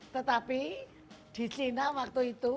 tetapi di china waktu itu